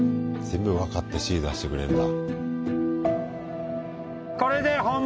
全部分かって指示出してくれるんだ。